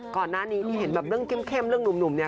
ก่อนหน้านี้ที่เห็นแบบเรื่องเข้มเรื่องหนุ่มเนี่ย